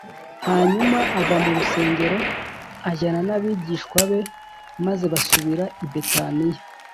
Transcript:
hanyuma ava mu rusengero ajyana n’abigishwa be, maze basubira i betaniya